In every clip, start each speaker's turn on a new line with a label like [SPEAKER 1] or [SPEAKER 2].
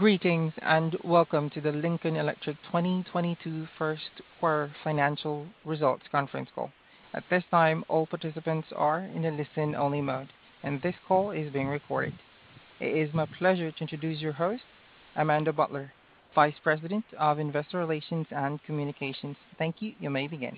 [SPEAKER 1] Greetings, and welcome to the Lincoln Electric 2022 first quarter financial results conference call. At this time, all participants are in a listen-only mode, and this call is being recorded. It is my pleasure to introduce your host, Amanda Butler, Vice President of Investor Relations and Communications. Thank you. You may begin.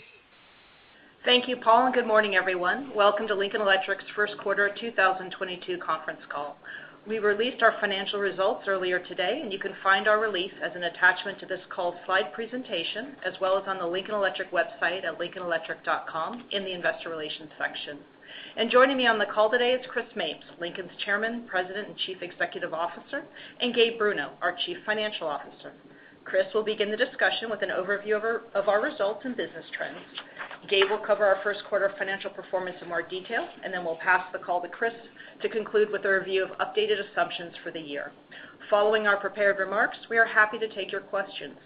[SPEAKER 2] Thank you, Paul, and good morning, everyone. Welcome to Lincoln Electric's first quarter 2022 conference call. We released our financial results earlier today, and you can find our release as an attachment to this call's slide presentation, as well as on the Lincoln Electric website at lincolnelectric.com in the Investor Relations section. Joining me on the call today is Chris Mapes, Lincoln's Chairman, President, and Chief Executive Officer, and Gabe Bruno, our Chief Financial Officer. Chris will begin the discussion with an overview of our results and business trends. Gabe will cover our first quarter financial performance in more detail, and then we'll pass the call to Chris to conclude with a review of updated assumptions for the year. Following our prepared remarks, we are happy to take your questions.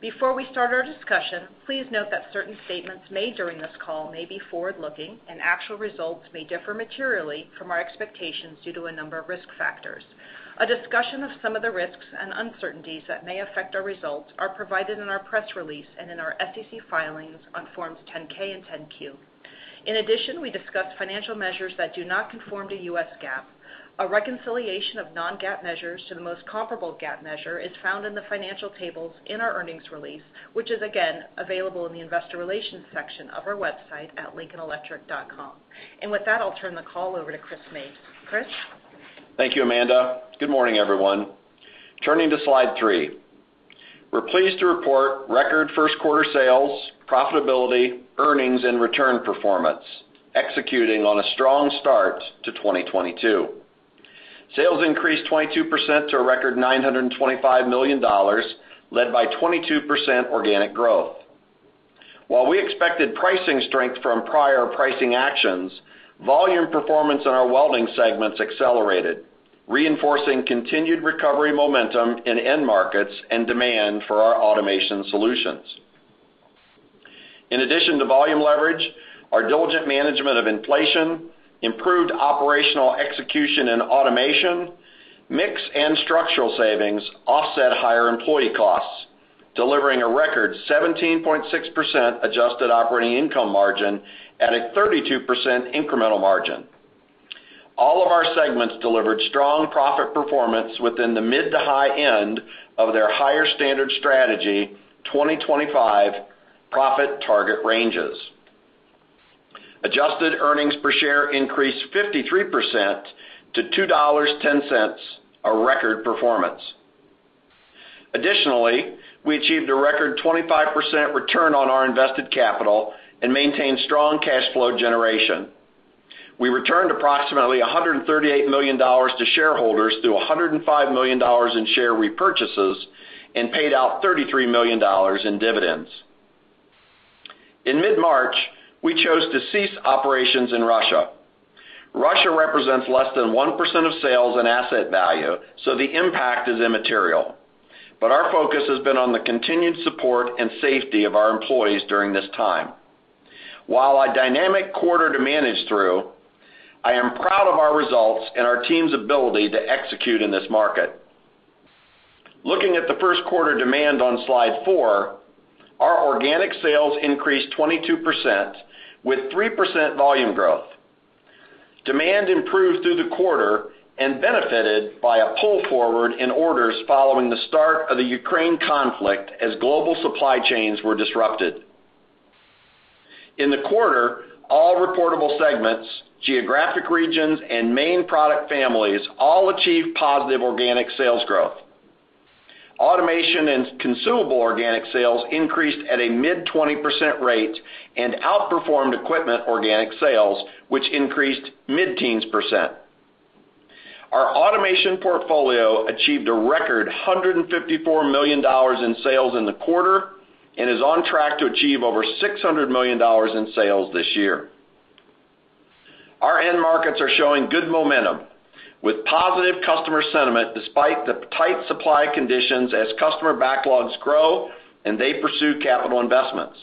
[SPEAKER 2] Before we start our discussion, please note that certain statements made during this call may be forward-looking, and actual results may differ materially from our expectations due to a number of risk factors. A discussion of some of the risks and uncertainties that may affect our results are provided in our press release and in our SEC filings on Forms 10-K and 10-Q. In addition, we discuss financial measures that do not conform to U.S. GAAP. A reconciliation of non-GAAP measures to the most comparable GAAP measure is found in the financial tables in our earnings release, which is again available in the Investor Relations section of our website at lincolnelectric.com. With that, I'll turn the call over to Chris Mapes. Chris?
[SPEAKER 3] Thank you, Amanda. Good morning, everyone. Turning to slide three. We're pleased to report record first quarter sales, profitability, earnings, and return performance, executing on a strong start to 2022. Sales increased 22% to a record $925 million, led by 22% organic growth. While we expected pricing strength from prior pricing actions, volume performance in our welding segments accelerated, reinforcing continued recovery momentum in end markets and demand for our automation solutions. In addition to volume leverage, our diligent management of inflation, improved operational execution and automation, mix and structural savings offset higher employee costs, delivering a record 17.6% adjusted operating income margin at a 32% incremental margin. All of our segments delivered strong profit performance within the mid to high end of their Higher Standard 2025 Strategy profit target ranges. Adjusted earnings per share increased 53% to $2.10, a record performance. Additionally, we achieved a record 25% return on our invested capital and maintained strong cash flow generation. We returned approximately $138 million to shareholders through $105 million in share repurchases and paid out $33 million in dividends. In mid-March, we chose to cease operations in Russia. Russia represents less than 1% of sales and asset value, so the impact is immaterial, but our focus has been on the continued support and safety of our employees during this time. While a dynamic quarter to manage through, I am proud of our results and our team's ability to execute in this market. Looking at the first quarter demand on slide four, our organic sales increased 22% with 3% volume growth. Demand improved through the quarter and benefited by a pull forward in orders following the start of the Ukraine conflict as global supply chains were disrupted. In the quarter, all reportable segments, geographic regions, and main product families all achieved positive organic sales growth. Automation and consumable organic sales increased at a mid-20% rate and outperformed equipment organic sales, which increased mid-teens percent. Our automation portfolio achieved a record $154 million in sales in the quarter and is on track to achieve over $600 million in sales this year. Our end markets are showing good momentum with positive customer sentiment despite the tight supply conditions as customer backlogs grow and they pursue capital investments.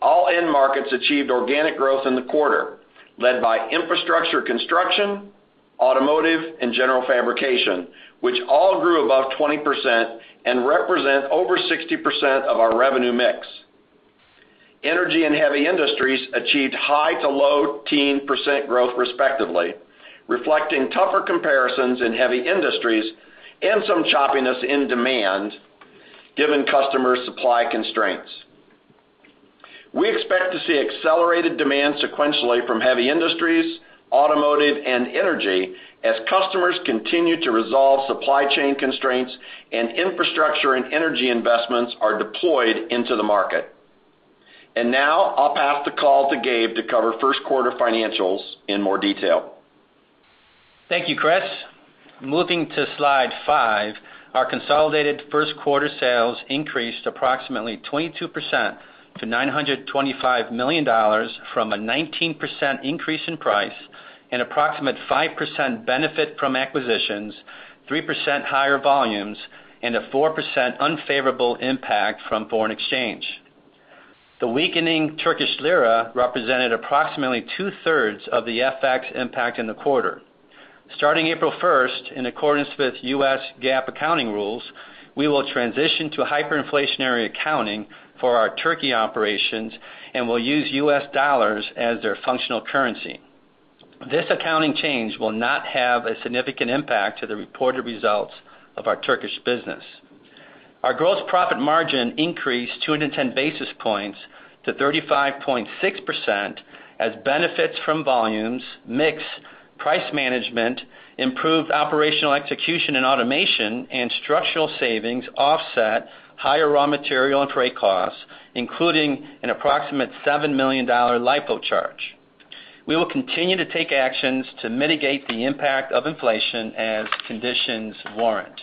[SPEAKER 3] All end markets achieved organic growth in the quarter, led by infrastructure construction, automotive, and general fabrication, which all grew above 20% and represent over 60% of our revenue mix. Energy and heavy industries achieved high-teens to low-teens percent growth respectively, reflecting tougher comparisons in heavy industries and some choppiness in demand, given customer supply constraints. We expect to see accelerated demand sequentially from heavy industries, automotive, and energy as customers continue to resolve supply chain constraints and infrastructure and energy investments are deployed into the market. Now I'll pass the call to Gabe to cover first quarter financials in more detail.
[SPEAKER 4] Thank you, Chris. Moving to slide five, our consolidated first quarter sales increased approximately 22% to $925 million from a 19% increase in price, an approximate 5% benefit from acquisitions, 3% higher volumes, and a 4% unfavorable impact from foreign exchange. The weakening Turkish lira represented approximately two-thirds of the FX impact in the quarter. Starting April 1, in accordance with U.S. GAAP accounting rules, we will transition to hyperinflationary accounting for our Turkey operations and will use U.S. dollars as their functional currency. This accounting change will not have a significant impact to the reported results of our Turkish business. Our gross profit margin increased 210 basis points to 35.6% as benefits from volumes, mix, price management, improved operational execution and automation, and structural savings offset higher raw material and freight costs, including an approximate $7 million LIFO charge. We will continue to take actions to mitigate the impact of inflation as conditions warrant.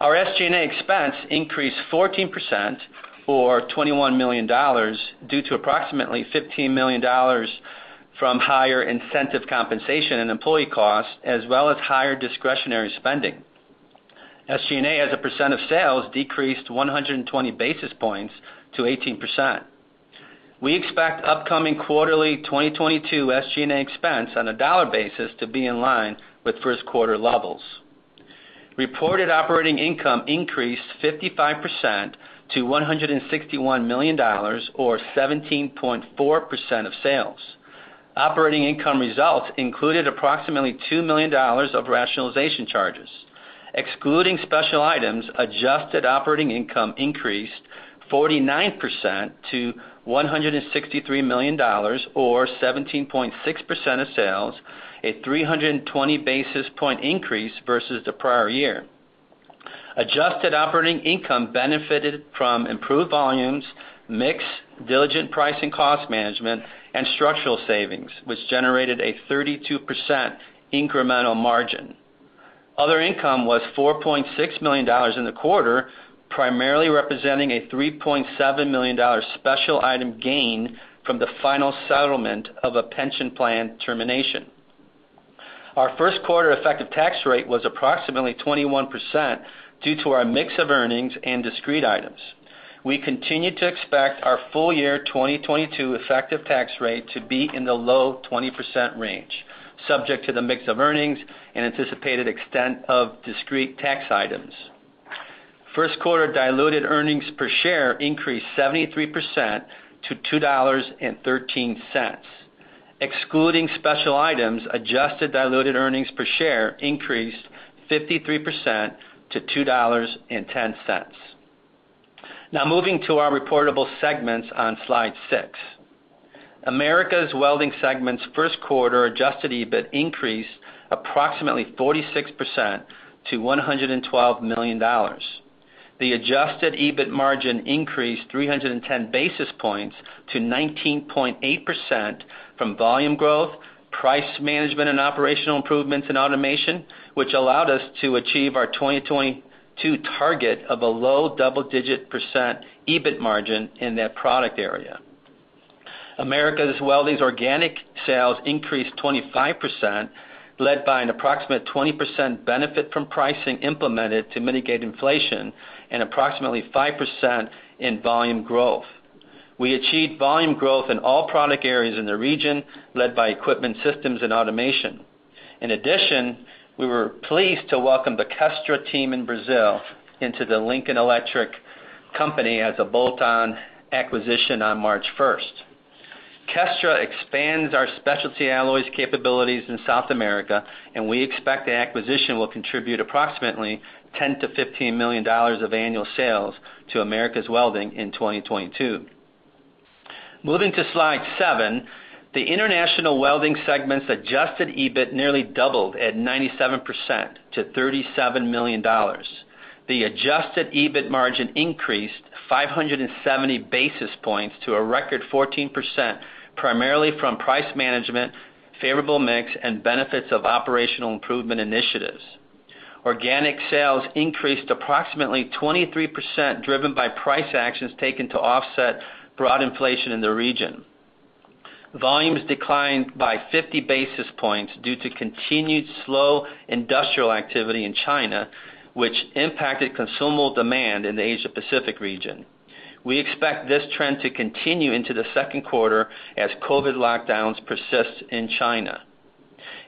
[SPEAKER 4] Our SG&A expense increased 14% or $21 million due to approximately $15 million from higher incentive compensation and employee costs as well as higher discretionary spending. SG&A, as a percent of sales, decreased 120 basis points to 18%. We expect upcoming quarterly 2022 SG&A expense on a dollar basis to be in line with first quarter levels. Reported operating income increased 55% to $161 million or 17.4% of sales. Operating income results included approximately $2 million of rationalization charges. Excluding special items, adjusted operating income increased 49% to $163 million or 17.6% of sales, a 320 basis points increase versus the prior year. Adjusted operating income benefited from improved volumes, mix, diligent pricing cost management, and structural savings, which generated a 32% incremental margin. Other income was $4.6 million in the quarter, primarily representing a $3.7 million special item gain from the final settlement of a pension plan termination. Our first quarter effective tax rate was approximately 21% due to our mix of earnings and discrete items. We continue to expect our full year 2022 effective tax rate to be in the low 20% range, subject to the mix of earnings and anticipated extent of discrete tax items. First quarter diluted earnings per share increased 73% to $2.13. Excluding special items, adjusted diluted earnings per share increased 53% to $2.10. Now moving to our reportable segments on slide six. Americas Welding segment's first quarter adjusted EBIT increased approximately 46% to $112 million. The adjusted EBIT margin increased 310 basis points to 19.8% from volume growth, price management and operational improvements in automation, which allowed us to achieve our 2022 target of a low double-digit percent EBIT margin in that product area. Americas Welding's organic sales increased 25%, led by an approximate 20% benefit from pricing implemented to mitigate inflation and approximately 5% in volume growth. We achieved volume growth in all product areas in the region, led by equipment systems and automation. In addition, we were pleased to welcome the Kestra team in Brazil into the Lincoln Electric company as a bolt-on acquisition on March first. Kestra expands our specialty alloys capabilities in South America, and we expect the acquisition will contribute approximately $10 million-$15 million of annual sales to Americas Welding in 2022. Moving to slide seven, the International Welding segment's adjusted EBIT nearly doubled at 97% to $37 million. The adjusted EBIT margin increased 570 basis points to a record 14%, primarily from price management, favorable mix, and benefits of operational improvement initiatives. Organic sales increased approximately 23%, driven by price actions taken to offset broad inflation in the region. Volumes declined by 50 basis points due to continued slow industrial activity in China, which impacted consumable demand in the Asia Pacific region. We expect this trend to continue into the second quarter as COVID lockdowns persist in China.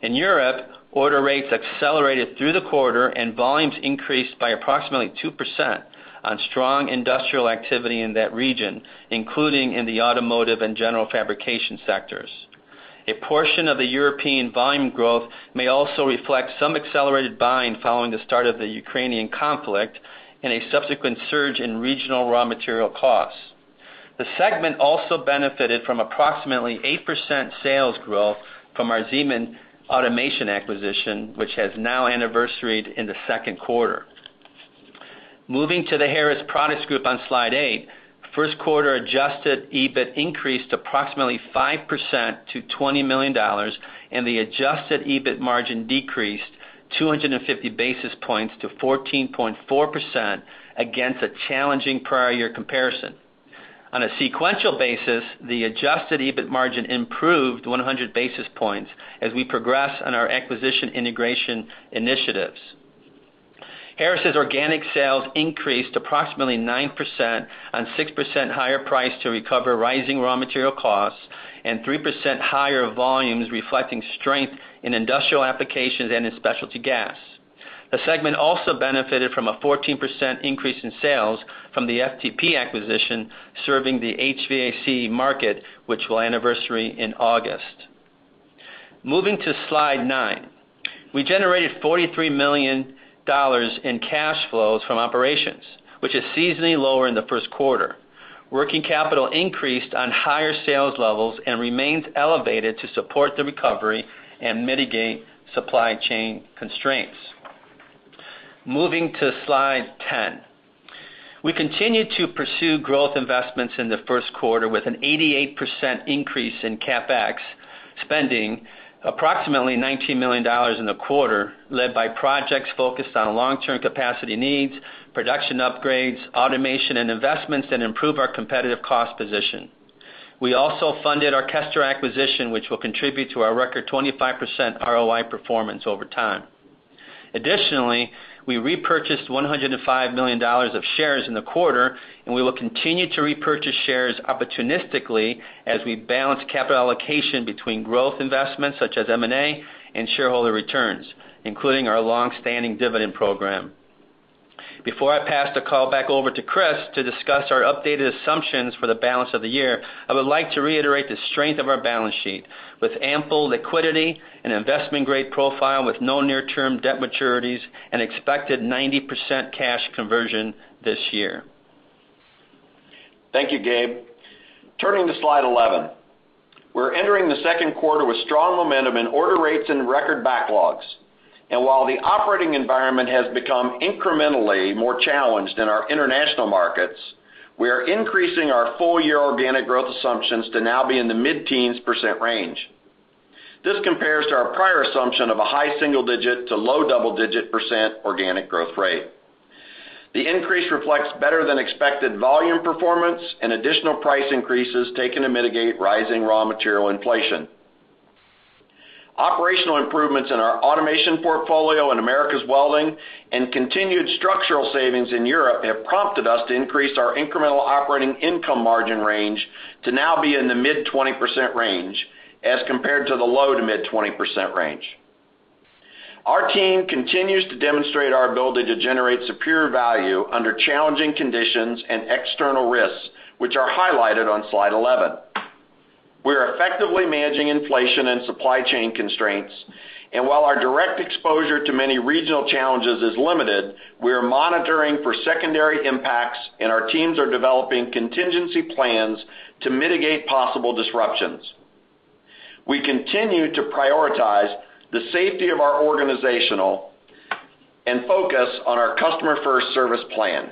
[SPEAKER 4] In Europe, order rates accelerated through the quarter and volumes increased by approximately 2% on strong industrial activity in that region, including in the automotive and general fabrication sectors. A portion of the European volume growth may also reflect some accelerated buying following the start of the Ukrainian conflict and a subsequent surge in regional raw material costs. The segment also benefited from approximately 8% sales growth from our Zeman Automation acquisition, which has now anniversaried in the second quarter. Moving to the Harris Products Group on slide eight, first quarter adjusted EBIT increased approximately 5% to $20 million, and the adjusted EBIT margin decreased 250 basis points to 14.4% against a challenging prior year comparison. On a sequential basis, the adjusted EBIT margin improved 100 basis points as we progress on our acquisition integration initiatives. Harris' organic sales increased approximately 9% on 6% higher price to recover rising raw material costs and 3% higher volumes reflecting strength in industrial applications and in specialty gas. The segment also benefited from a 14% increase in sales from the FTP acquisition serving the HVAC market, which will anniversary in August. Moving to slide nine. We generated $43 million in cash flows from operations, which is seasonally lower in the first quarter. Working capital increased on higher sales levels and remains elevated to support the recovery and mitigate supply chain constraints. Moving to Slide 10. We continued to pursue growth investments in the first quarter with an 88% increase in CapEx spending, approximately $19 million in the quarter, led by projects focused on long-term capacity needs, production upgrades, automation and investments that improve our competitive cost position. We also funded our Kestra acquisition, which will contribute to our record 25% ROI performance over time. Additionally, we repurchased $105 million of shares in the quarter, and we will continue to repurchase shares opportunistically as we balance capital allocation between growth investments such as M&A and shareholder returns, including our long-standing dividend program. Before I pass the call back over to Chris to discuss our updated assumptions for the balance of the year, I would like to reiterate the strength of our balance sheet with ample liquidity, an investment-grade profile with no near-term debt maturities, and expected 90% cash conversion this year.
[SPEAKER 3] Thank you, Gabe. Turning to slide 11. We're entering the second quarter with strong momentum in order rates and record backlogs. While the operating environment has become incrementally more challenged in our international markets, we are increasing our full-year organic growth assumptions to now be in the mid-teens percent range. This compares to our prior assumption of a high single-digit to low double-digit percent organic growth rate. The increase reflects better than expected volume performance and additional price increases taken to mitigate rising raw material inflation. Operational improvements in our automation portfolio in Americas Welding and continued structural savings in Europe have prompted us to increase our incremental operating income margin range to now be in the mid-20% range as compared to the low to mid-20% range. Our team continues to demonstrate our ability to generate superior value under challenging conditions and external risks, which are highlighted on slide 11. We are effectively managing inflation and supply chain constraints. While our direct exposure to many regional challenges is limited, we are monitoring for secondary impacts, and our teams are developing contingency plans to mitigate possible disruptions. We continue to prioritize the safety of our organizational and focus on our customer-first service plan.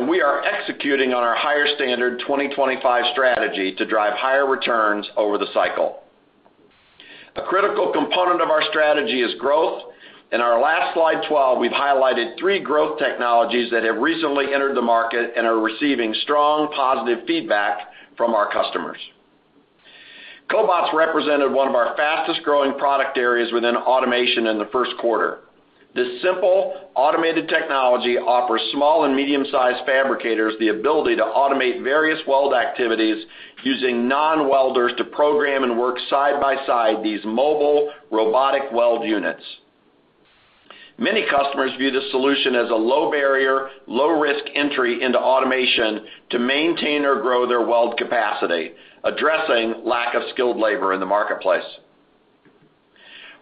[SPEAKER 3] We are executing on our Higher Standard 2025 Strategy to drive higher returns over the cycle. A critical component of our strategy is growth. In our last slide 12, we've highlighted three growth technologies that have recently entered the market and are receiving strong positive feedback from our customers. Cobots represented one of our fastest-growing product areas within automation in the first quarter. This simple automated technology offers small and medium-sized fabricators the ability to automate various weld activities using non-welders to program and work side by side these mobile robotic weld units. Many customers view this solution as a low barrier, low-risk entry into automation to maintain or grow their weld capacity, addressing lack of skilled labor in the marketplace.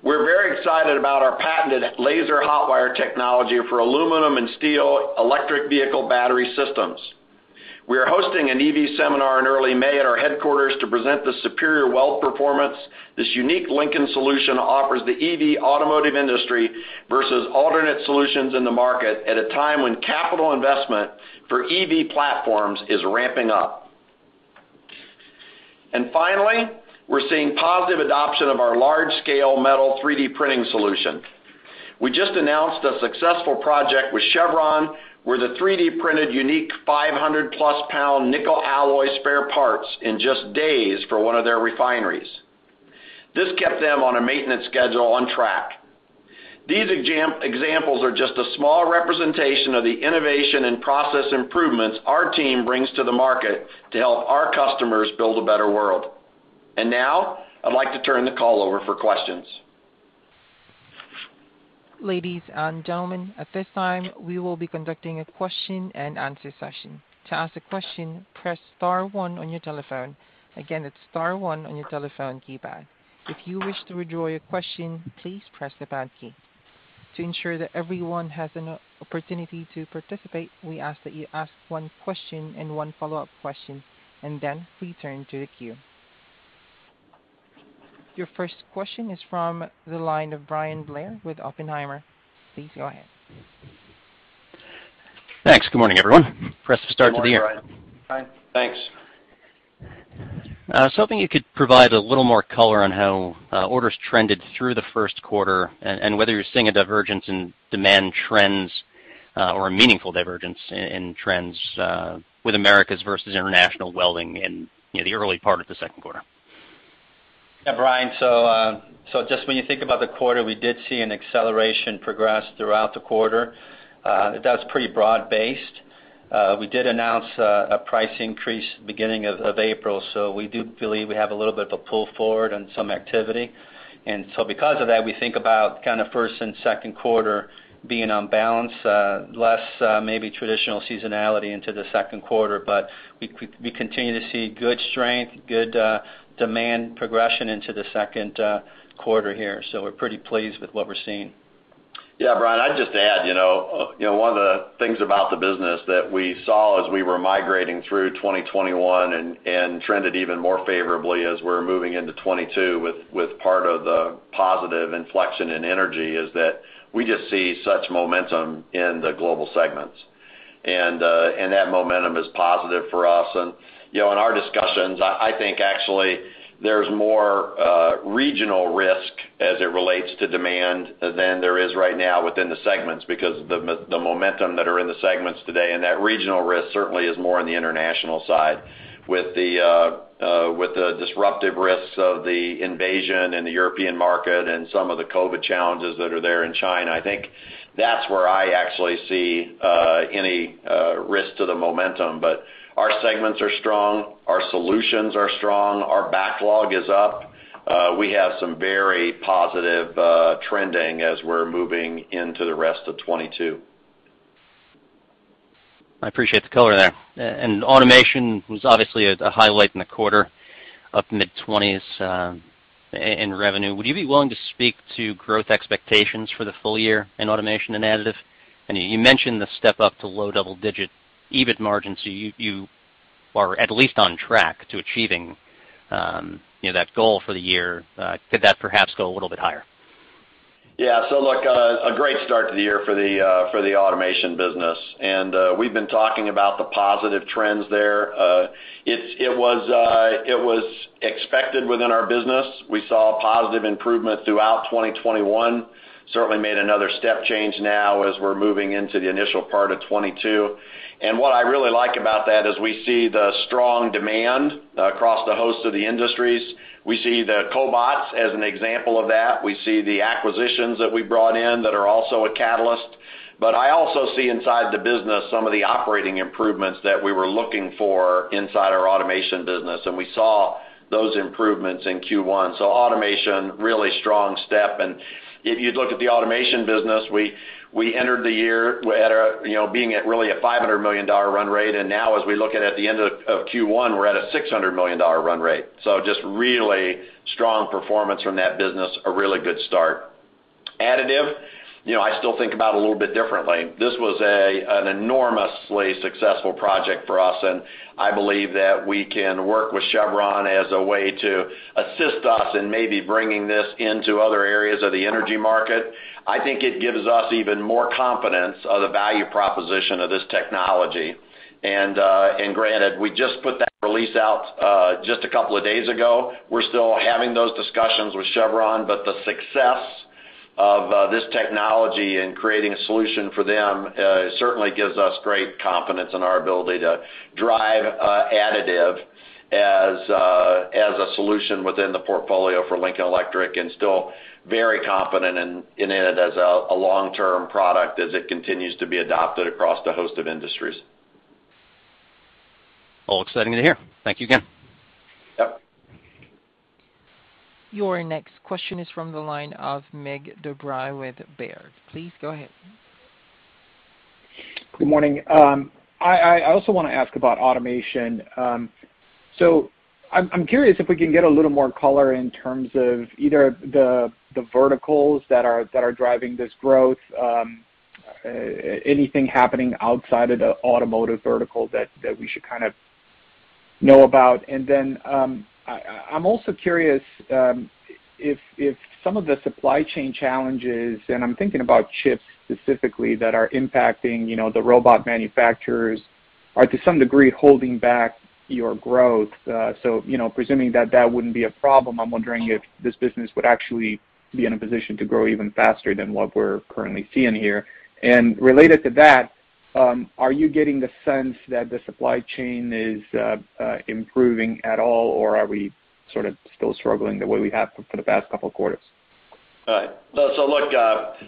[SPEAKER 3] We're very excited about our patented laser hot wire technology for aluminum and steel electric vehicle battery systems. We are hosting an EV seminar in early May at our headquarters to present the superior weld performance this unique Lincoln solution offers the EV automotive industry versus alternate solutions in the market at a time when capital investment for EV platforms is ramping up. Finally, we're seeing positive adoption of our large-scale metal 3D printing solution. We just announced a successful project with Chevron, where the 3D printed unique 500+ pound nickel alloy spare parts in just days for one of their refineries. This kept them on a maintenance schedule on track. These examples are just a small representation of the innovation and process improvements our team brings to the market to help our customers build a better world. Now, I'd like to turn the call over for questions.
[SPEAKER 1] Ladies and gentlemen, at this time, we will be conducting a question-and-answer session. To ask a question, press star one on your telephone. Again, it's star one on your telephone keypad. If you wish to withdraw your question, please press the pound key. To ensure that everyone has an opportunity to participate, we ask that you ask one question and one follow-up question, and then return to the queue. Your first question is from the line of Bryan Blair with Oppenheimer. Please go ahead.
[SPEAKER 5] Thanks. Good morning, everyone. Pleased to start the year.
[SPEAKER 3] Good morning, Bryan.
[SPEAKER 5] Hi. Thanks. Something you could provide a little more color on how orders trended through the first quarter and whether you're seeing a divergence in demand trends or a meaningful divergence in trends with Americas Welding versus International Welding in, you know, the early part of the second quarter?
[SPEAKER 4] Yeah, Bryan, just when you think about the quarter, we did see an acceleration progress throughout the quarter. That was pretty broad-based. We did announce a price increase beginning of April, so we do believe we have a little bit of a pull forward on some activity. Because of that, we think about kind of first and second quarter being on balance, less, maybe traditional seasonality into the second quarter. But we continue to see good strength, good demand progression into the second quarter here. So we're pretty pleased with what we're seeing.
[SPEAKER 3] Yeah, Bryan, I'd just add, you know, one of the things about the business that we saw as we were migrating through 2021 and trended even more favorably as we're moving into 2022 with part of the positive inflection in energy is that we just see such momentum in the global segments. That momentum is positive for us. You know, in our discussions, I think actually there's more regional risk as it relates to demand than there is right now within the segments because the momentum that are in the segments today and that regional risk certainly is more on the international side with the disruptive risks of the invasion in the European market and some of the COVID challenges that are there in China. I think that's where I actually see any risk to the momentum. Bur our segments are strong, our solutions are strong, our backlog is up. We have some very positive trending as we're moving into the rest of 2022.
[SPEAKER 5] I appreciate the color there. Automation was obviously a highlight in the quarter up mid-20s in revenue. Would you be willing to speak to growth expectations for the full year in automation and additive? You mentioned the step up to low double-digit EBIT margins, so you are at least on track to achieving you know that goal for the year. Could that perhaps go a little bit higher?
[SPEAKER 3] Yeah. Look, a great start to the year for the automation business. We've been talking about the positive trends there. It was expected within our business. We saw positive improvement throughout 2021. Certainly made another step change now as we're moving into the initial part of 2022. What I really like about that is we see the strong demand across the host of the industries. We see the cobots as an example of that. We see the acquisitions that we brought in that are also a catalyst. I also see inside the business some of the operating improvements that we were looking for inside our automation business, and we saw those improvements in Q1. Automation, really strong step. If you'd look at the automation business, we entered the year at, you know, really a $500 million run rate. Now as we look at the end of Q1, we're at a $600 million run rate. So just really strong performance from that business, a really good start. Additive, you know, I still think about a little bit differently. This was an enormously successful project for us, and I believe that we can work with Chevron as a way to assist us in maybe bringing this into other areas of the energy market. I think it gives us even more confidence of the value proposition of this technology. Granted, we just put that release out just a couple of days ago. We're still having those discussions with Chevron. The success of this technology in creating a solution for them certainly gives us great confidence in our ability to drive additive as a solution within the portfolio for Lincoln Electric, and still very confident in it as a long-term product as it continues to be adopted across the host of industries.
[SPEAKER 5] All exciting to hear. Thank you again.
[SPEAKER 3] Yep.
[SPEAKER 1] Your next question is from the line of Mig Dobre with Baird. Please go ahead.
[SPEAKER 6] Good morning. I also wanna ask about automation. I'm curious if we can get a little more color in terms of either the verticals that are driving this growth, anything happening outside of the automotive vertical that we should kind of know about. I'm also curious if some of the supply chain challenges, and I'm thinking about chips specifically, that are impacting the robot manufacturers are to some degree holding back your growth. You know, presuming that that wouldn't be a problem, I'm wondering if this business would actually be in a position to grow even faster than what we're currently seeing here. Related to that, are you getting the sense that the supply chain is improving at all, or are we sort of still struggling the way we have for the past couple of quarters?
[SPEAKER 3] All right. Look,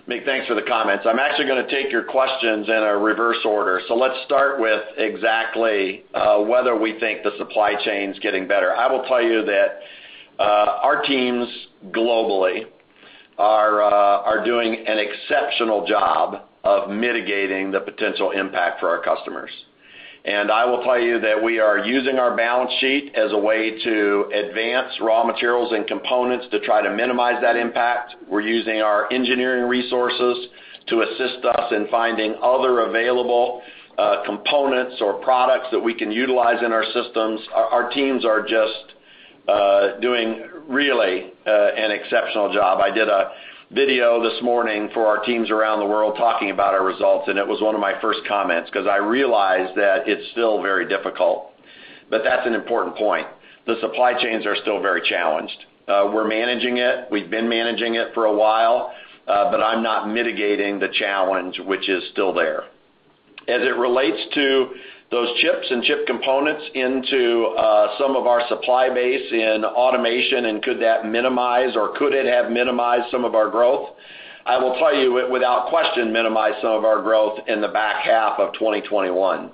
[SPEAKER 3] Mig, thanks for the comments. I'm actually gonna take your questions in a reverse order. So let's start with exactly whether we think the supply chain's getting better. I will tell you that our teams globally are doing an exceptional job of mitigating the potential impact for our customers. I will tell you that we are using our balance sheet as a way to advance raw materials and components to try to minimize that impact. We're using our engineering resources to assist us in finding other available components or products that we can utilize in our systems. Our teams are just doing really an exceptional job. I did a video this morning for our teams around the world talking about our results, and it was one of my first comments, 'cause I realize that it's still very difficult. That's an important point. The supply chains are still very challenged. We're managing it. We've been managing it for a while. I'm not mitigating the challenge which is still there. As it relates to those chips and chip components into some of our supply base in automation and could that minimize or could it have minimized some of our growth? I will tell you it without question minimized some of our growth in the back half of 2021.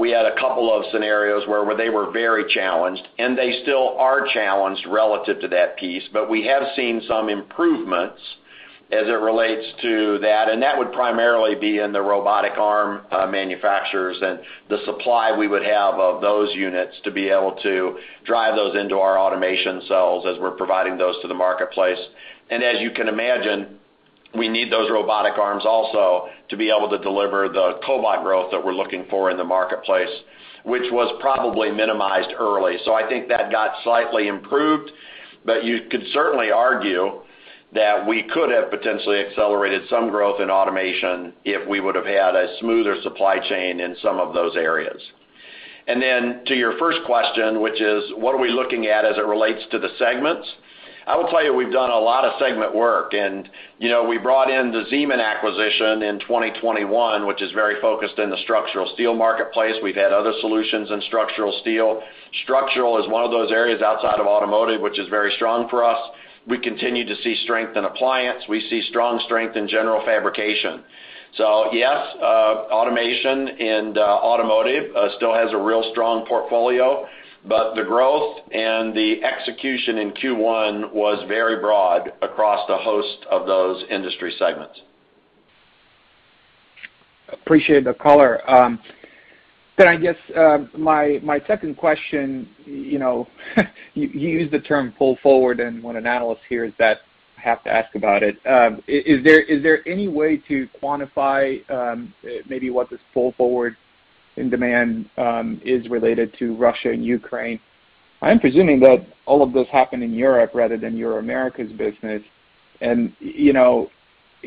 [SPEAKER 3] We had a couple of scenarios where they were very challenged, and they still are challenged relative to that piece, but we have seen some improvements as it relates to that. That would primarily be in the robotic arm manufacturers and the supply we would have of those units to be able to drive those into our automation cells as we're providing those to the marketplace. As you can imagine, we need those robotic arms also to be able to deliver the cobot growth that we're looking for in the marketplace, which was probably minimized early. I think that got slightly improved, but you could certainly argue that we could have potentially accelerated some growth in automation if we would've had a smoother supply chain in some of those areas. Then to your first question, which is what are we looking at as it relates to the segments? I will tell you, we've done a lot of segment work and, you know, we brought in the Zeman acquisition in 2021, which is very focused in the structural steel marketplace. We've had other solutions in structural steel. Structural is one of those areas outside of automotive, which is very strong for us. We continue to see strength in appliance. We see strong strength in general fabrication. Yes, automation and automotive still has a real strong portfolio, but the growth and the execution in Q1 was very broad across the host of those industry segments.
[SPEAKER 6] Appreciate the color. Then I guess my second question, you know, you used the term pull forward, and when an analyst hears that, I have to ask about it. Is there any way to quantify maybe what this pull forward in demand is related to Russia and Ukraine? I'm presuming that all of this happened in Europe rather than your Americas business. You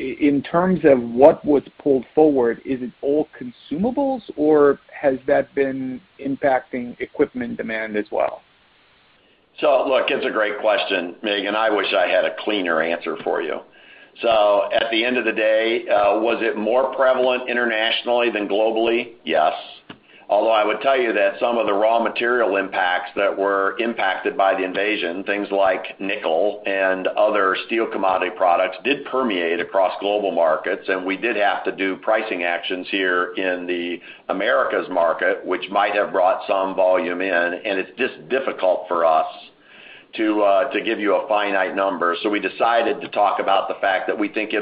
[SPEAKER 6] know, in terms of what was pulled forward, is it all consumables, or has that been impacting equipment demand as well?
[SPEAKER 3] Look, it's a great question, Mig, and I wish I had a cleaner answer for you. So at the end of the day, was it more prevalent internationally than globally? Yes. Although I would tell you that some of the raw material impacts that were impacted by the invasion, things like nickel and other steel commodity products did permeate across global markets. We did have to do pricing actions here in the Americas market, which might have brought some volume in, and it's just difficult for us to give you a finite number. So we decided to talk about the fact that we think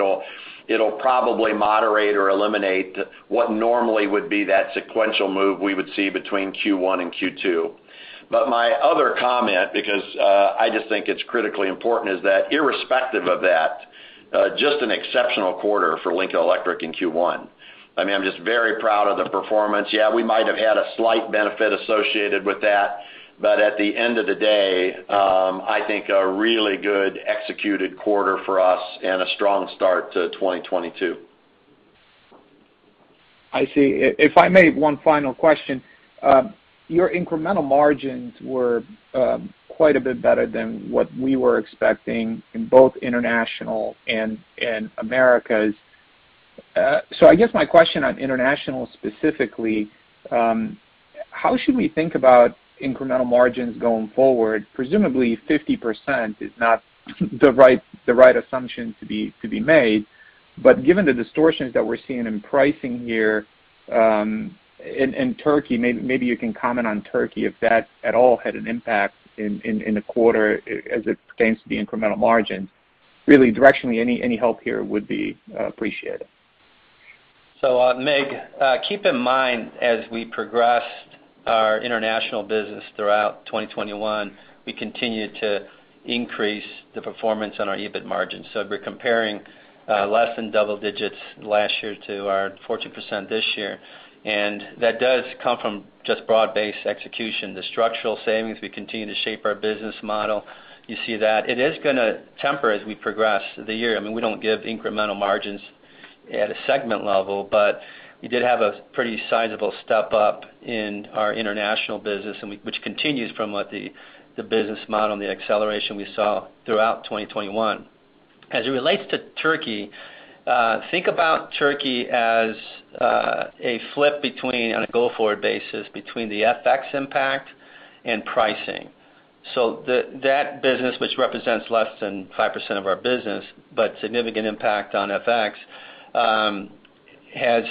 [SPEAKER 3] it'll probably moderate or eliminate what normally would be that sequential move we would see between Q1 and Q2. But my other comment, because I just think it's critically important, is that irrespective of that, just an exceptional quarter for Lincoln Electric in Q1. I mean, I'm just very proud of the performance. Yeah, we might have had a slight benefit associated with that, but at the end of the day, I think a really good executed quarter for us and a strong start to 2022.
[SPEAKER 6] I see. If I may, one final question. Your incremental margins were quite a bit better than what we were expecting in both international and Americas. I guess my question on international specifically, how should we think about incremental margins going forward? Presumably, 50% is not the right assumption to be made. Given the distortions that we're seeing in pricing here in Turkey, maybe you can comment on Turkey if that at all had an impact in the quarter as it pertains to the incremental margin. Really directionally, any help here would be appreciated.
[SPEAKER 4] Mig, keep in mind as we progressed our international business throughout 2021, we continued to increase the performance on our EBIT margin. We're comparing less than double digits last year to our 40% this year. That does come from just broad-based execution. The structural savings, we continue to shape our business model. You see that. It is gonna temper as we progress the year. I mean, we don't give incremental margins at a segment level, but we did have a pretty sizable step-up in our international business which continues from what the business model and the acceleration we saw throughout 2021. As it relates to Turkey, think about Turkey as a flip between, on a go-forward basis, between the FX impact and pricing. That business, which represents less than 5% of our business, but significant impact on FX, has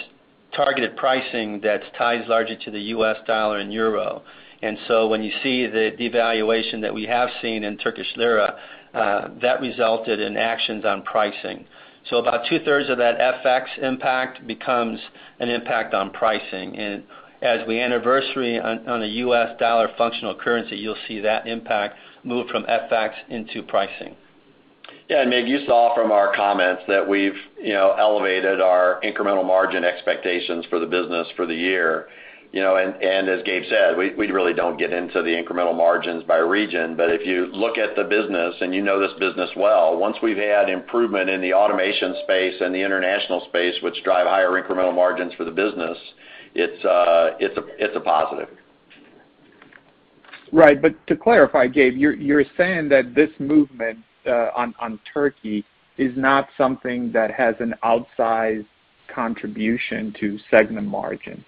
[SPEAKER 4] targeted pricing that ties largely to the US dollar and euro. When you see the devaluation that we have seen in Turkish lira, that resulted in actions on pricing. About two-thirds of that FX impact becomes an impact on pricing. As we anniversary on a U.S. dollar functional currency, you'll see that impact move from FX into pricing.
[SPEAKER 3] Yeah, Mig, you saw from our comments that we've, you know, elevated our incremental margin expectations for the business for the year. You know, and as Gabe said, we really don't get into the incremental margins by region. If you look at the business, and you know this business well, once we've had improvement in the automation space and the international space, which drive higher incremental margins for the business, it's a positive.
[SPEAKER 6] Right. To clarify, Gabe, you're saying that this movement on Turkey is not something that has an outsized contribution to segment margin?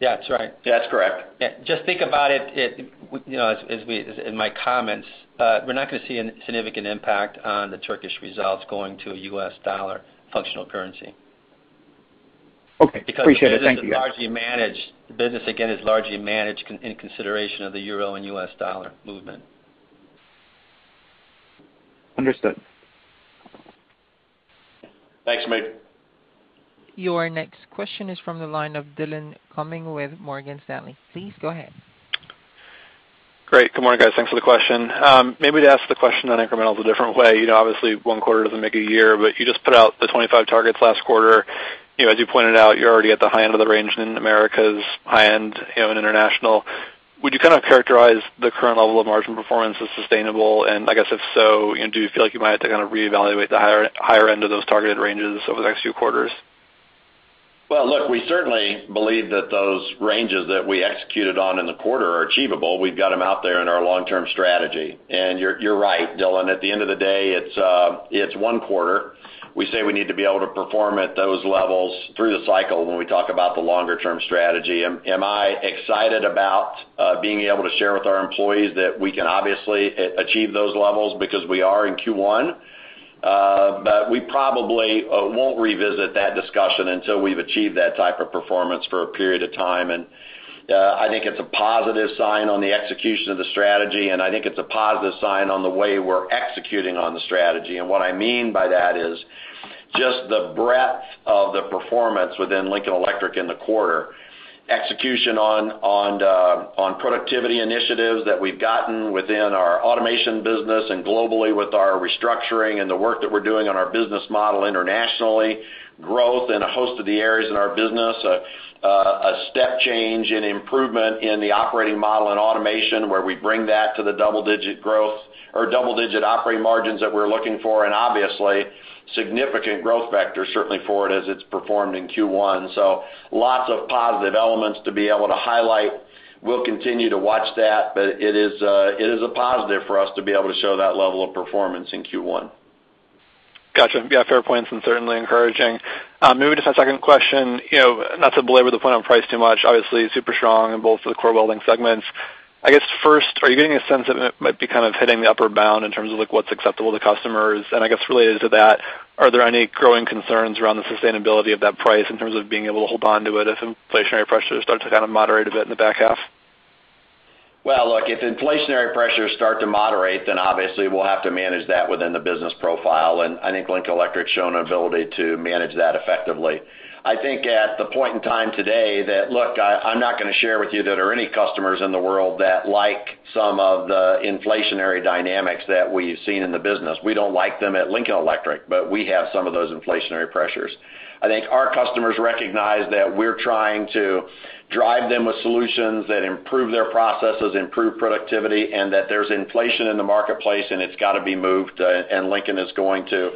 [SPEAKER 4] Yeah, that's right.
[SPEAKER 3] That's correct.
[SPEAKER 4] Yeah. Just think about it, you know, as in my comments, we're not gonna see a significant impact on the Turkish results going to a U.S. dollar functional currency.
[SPEAKER 7] Okay. Appreciate it. Thank you, guys.
[SPEAKER 4] Because the business is largely managed in consideration of the euro and U.S. dollar movement.
[SPEAKER 7] Understood.
[SPEAKER 3] Thanks, Mig.
[SPEAKER 1] Your next question is from the line of Dillon Cumming with Morgan Stanley. Please go ahead.
[SPEAKER 8] Great. Good morning, guys. Thanks for the question. Maybe to ask the question on incrementals a different way, you know, obviously one quarter doesn't make a year, but you just put out the 25 targets last quarter. You know, as you pointed out, you're already at the high end of the range in Americas, high end, you know, in International. Would you kinda characterize the current level of margin performance as sustainable? I guess if so, you know, do you feel like you might have to kind of reevaluate the higher end of those targeted ranges over the next few quarters?
[SPEAKER 3] Well, look, we certainly believe that those ranges that we executed on in the quarter are achievable. We've got them out there in our long-term strategy. You're right, Dillon, at the end of the day, it's one quarter. We say we need to be able to perform at those levels through the cycle when we talk about the longer term strategy. Am I excited about being able to share with our employees that we can obviously achieve those levels because we are in Q1? We probably won't revisit that discussion until we've achieved that type of performance for a period of time. I think it's a positive sign on the execution of the strategy, and I think it's a positive sign on the way we're executing on the strategy. And what I mean by that is just the breadth of the performance within Lincoln Electric in the quarter, execution on productivity initiatives that we've gotten within our automation business and globally with our restructuring and the work that we're doing on our business model internationally, growth in a host of the areas in our business, a step change in improvement in the operating model and automation, where we bring that to the double-digit growth or double-digit operating margins that we're looking for, and obviously, significant growth vectors, certainly for it as it's performed in Q1. Lots of positive elements to be able to highlight. We'll continue to watch that, but it is a positive for us to be able to show that level of performance in Q1.
[SPEAKER 8] Gotcha. Yeah, fair points and certainly encouraging. Maybe just my second question, you know, not to belabor the point on price too much, obviously super strong in both of the core welding segments. I guess first, are you getting a sense of it might be kind of hitting the upper bound in terms of like what's acceptable to customers? And I guess related to that, are there any growing concerns around the sustainability of that price in terms of being able to hold onto it if inflationary pressures start to kind of moderate a bit in the back half?
[SPEAKER 3] Well, look, if inflationary pressures start to moderate, then obviously we'll have to manage that within the business profile, and I think Lincoln Electric's shown an ability to manage that effectively. I think at the point in time today, I'm not gonna share with you there are any customers in the world that like some of the inflationary dynamics that we've seen in the business. We don't like them at Lincoln Electric, but we have some of those inflationary pressures. I think our customers recognize that we're trying to drive them with solutions that improve their processes, improve productivity, and that there's inflation in the marketplace, and it's got to be moved, and Lincoln is going to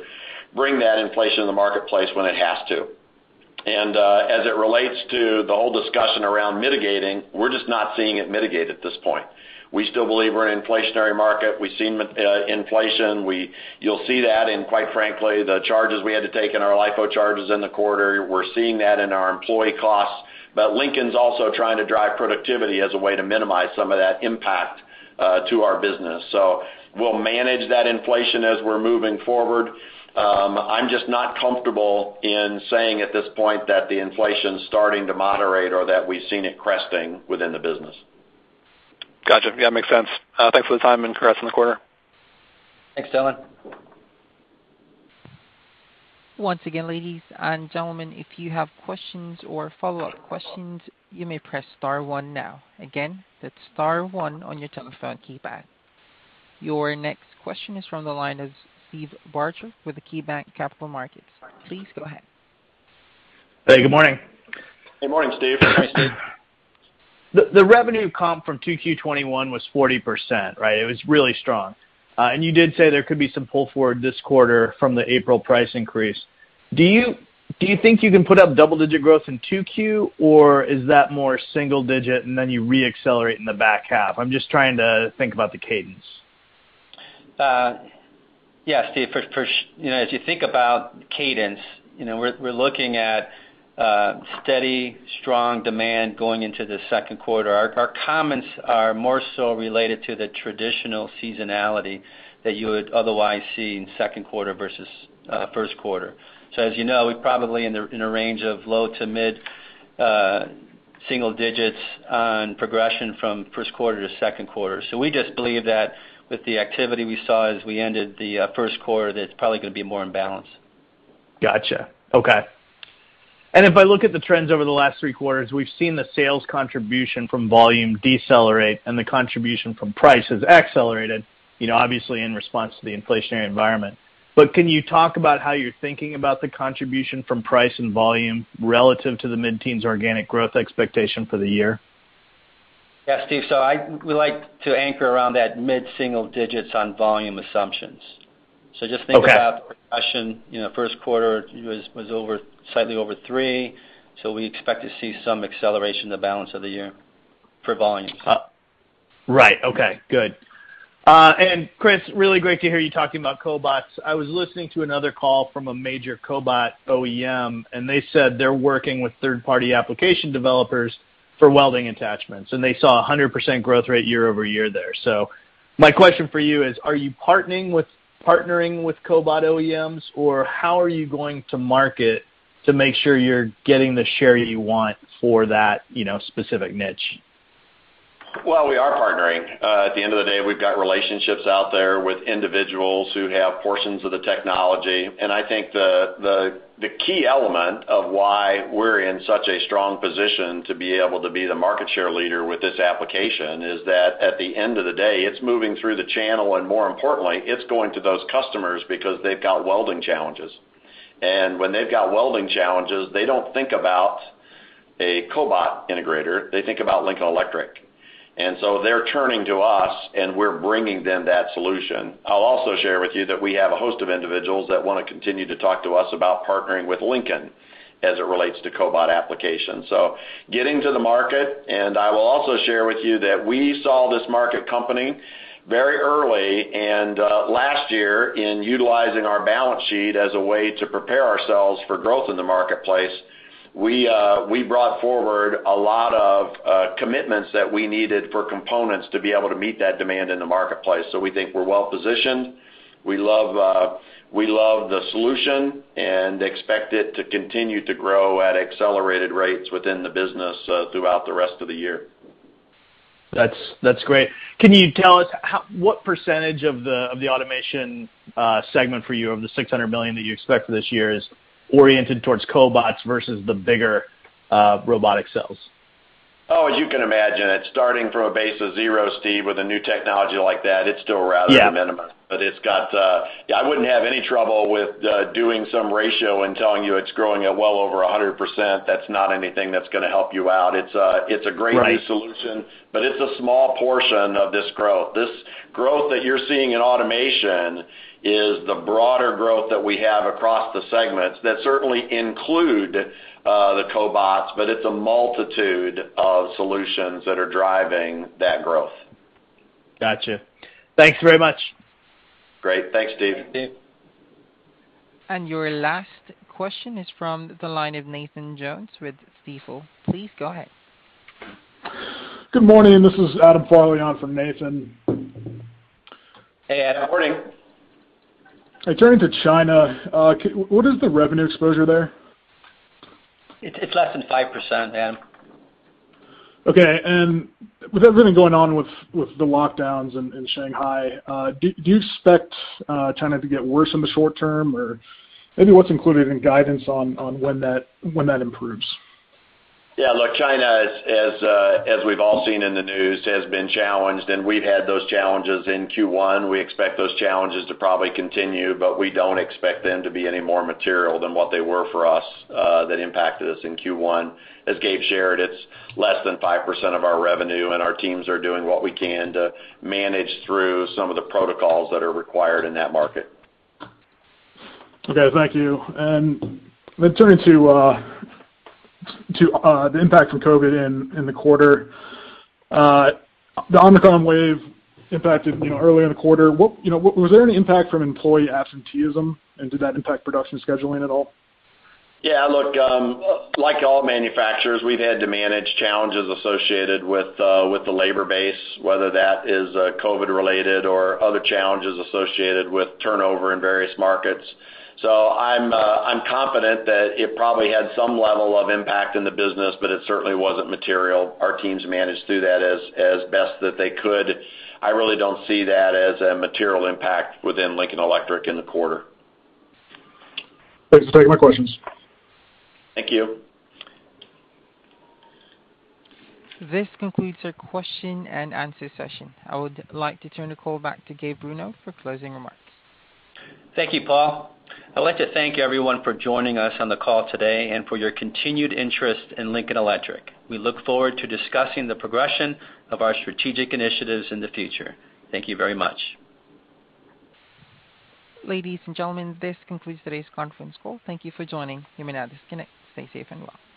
[SPEAKER 3] bring that inflation in the marketplace when it has to. As it relates to the whole discussion around mitigating, we're just not seeing it mitigate at this point. We still believe we're an inflationary market. We've seen inflation. You'll see that in, quite frankly, the charges we had to take in our LIFO charges in the quarter. We're seeing that in our employee costs. Lincoln's also trying to drive productivity as a way to minimize some of that impact to our business. We'll manage that inflation as we're moving forward. I'm just not comfortable in saying at this point that the inflation's starting to moderate or that we've seen it cresting within the business.
[SPEAKER 8] Gotcha. Yeah, makes sense. Thanks for the time and congrats on the quarter.
[SPEAKER 3] Thanks, Dillon.
[SPEAKER 1] Once again, ladies and gentlemen, if you have questions or follow-up questions, you may press star one now. Again, that's star one on your telephone keypad. Your next question is from the line of Steve Barger with KeyBanc Capital Markets. Please go ahead.
[SPEAKER 9] Hey, good morning.
[SPEAKER 3] Good morning, Steve.
[SPEAKER 4] Hey, Steve.
[SPEAKER 9] The revenue comp from 2Q 2021 was 40%, right? It was really strong. You did say there could be some pull forward this quarter from the April price increase. Do you think you can put up double-digit growth in 2Q, or is that more single-digit and then you reaccelerate in the back half? I'm just trying to think about the cadence.
[SPEAKER 4] Yeah, Steve, you know, as you think about cadence, you know, we're looking at steady, strong demand going into the second quarter. Our comments are more so related to the traditional seasonality that you would otherwise see in second quarter versus first quarter. As you know, we're probably in a range of low to mid-single digits on progression from first quarter to second quarter. We just believe that with the activity we saw as we ended the first quarter, that it's probably gonna be more in balance.
[SPEAKER 9] Gotcha. Okay. If I look at the trends over the last three quarters, we've seen the sales contribution from volume decelerate and the contribution from price has accelerated, you know, obviously in response to the inflationary environment. Can you talk about how you're thinking about the contribution from price and volume relative to the mid-teens organic growth expectation for the year?
[SPEAKER 4] Yeah, Steve. So I'd like to anchor around that mid-single digits on volume assumptions. Just think about-
[SPEAKER 9] Okay
[SPEAKER 4] Recession, you know, first quarter was over, slightly over 3%. We expect to see some acceleration in the balance of the year for volumes.
[SPEAKER 9] Right. Okay. Good. And Chris, really great to hear you talking about cobots. I was listening to another call from a major cobot OEM, and they said they're working with third-party application developers for welding attachments, and they saw 100% growth rate year-over-year there. My question for you is, are you partnering with cobot OEMs, or how are you going to market to make sure you're getting the share you want for that, you know, specific niche?
[SPEAKER 3] Well, we are partnering. At the end of the day, we've got relationships out there with individuals who have portions of the technology. And I think the key element of why we're in such a strong position to be able to be the market share leader with this application is that at the end of the day, it's moving through the channel, and more importantly, it's going to those customers because they've got welding challenges. And when they've got welding challenges, they don't think about a cobot integrator, they think about Lincoln Electric. And they're turning to us, and we're bringing them that solution. I'll also share with you that we have a host of individuals that wanna continue to talk to us about partnering with Lincoln as it relates to cobot applications. Getting to the market, I will also share with you that we saw this market coming very early. Last year, in utilizing our balance sheet as a way to prepare ourselves for growth in the marketplace, we brought forward a lot of commitments that we needed for components to be able to meet that demand in the marketplace. So we think we're well positioned. We love the solution and expect it to continue to grow at accelerated rates within the business throughout the rest of the year.
[SPEAKER 9] That's great. Can you tell us what percentage of the automation segment for you, of the $600 million that you expect for this year is oriented towards cobots versus the bigger robotic cells?
[SPEAKER 3] Oh, as you can imagine, it's starting from a base of zero, Steve, with a new technology like that, it's still rather.
[SPEAKER 9] Yeah...
[SPEAKER 3] minimum. It's got, I wouldn't have any trouble with doing some ratio and telling you it's growing at well over 100%. That's not anything that's gonna help you out. It's a great-
[SPEAKER 9] Right
[SPEAKER 3] new solution, but it's a small portion of this growth. This growth that you're seeing in automation is the broader growth that we have across the segments that certainly include the cobots, but it's a multitude of solutions that are driving that growth.
[SPEAKER 9] Gotcha. Thanks very much.
[SPEAKER 3] Great. Thanks, Steve.
[SPEAKER 4] Thanks, Steve.
[SPEAKER 1] Your last question is from the line of Nathan Jones with Stifel. Please go ahead.
[SPEAKER 10] Good morning. This is Adam Farley for Nathan.
[SPEAKER 3] Hey, Adam, morning.
[SPEAKER 10] Turning to China, what is the revenue exposure there?
[SPEAKER 3] It's less than 5%, Adam.
[SPEAKER 10] Okay. With everything going on with the lockdowns in Shanghai, do you expect China to get worse in the short term? Or maybe what's included in guidance on when that improves?
[SPEAKER 3] Yeah. Look, China, as we've all seen in the news, has been challenged, and we've had those challenges in Q1. We expect those challenges to probably continue, but we don't expect them to be any more material than what they were for us, that impacted us in Q1. As Gabe shared, it's less than 5% of our revenue, and our teams are doing what we can to manage through some of the protocols that are required in that market.
[SPEAKER 10] Okay, thank you. Turning to the impact from COVID in the quarter. The Omicron wave impacted, you know, early in the quarter. You know, was there any impact from employee absenteeism, and did that impact production scheduling at all?
[SPEAKER 3] Yeah. Look, like all manufacturers, we've had to manage challenges associated with the labor base, whether that is COVID-related or other challenges associated with turnover in various markets. I'm confident that it probably had some level of impact in the business, but it certainly wasn't material. Our teams managed through that as best that they could. I really don't see that as a material impact within Lincoln Electric in the quarter.
[SPEAKER 10] Thanks for taking my questions.
[SPEAKER 3] Thank you.
[SPEAKER 1] This concludes our question and answer session. I would like to turn the call back to Gabe Bruno for closing remarks.
[SPEAKER 4] Thank you, Paul. I'd like to thank everyone for joining us on the call today and for your continued interest in Lincoln Electric. We look forward to discussing the progression of our strategic initiatives in the future. Thank you very much.
[SPEAKER 1] Ladies and gentlemen, this concludes today's conference call. Thank you for joining. You may now disconnect. Stay safe and well.